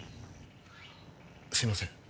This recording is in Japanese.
すいません